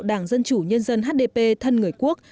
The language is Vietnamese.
đảng dân chủ nhân dân hdp thân người quốc